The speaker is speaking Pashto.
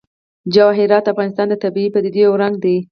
جواهرات د افغانستان د طبیعي پدیدو یو رنګ دی.